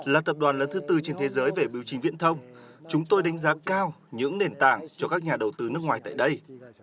là tập đoàn lớn thứ tư trên thế giới về biểu trình viễn thông chúng tôi đánh giá cao những nền tảng cho các nhà đầu tư nước ngoài tại đây